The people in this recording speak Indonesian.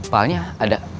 pak alnya ada